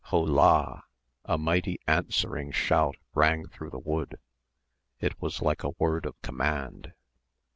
"Ho lah!" A mighty answering shout rang through the wood. It was like a word of command.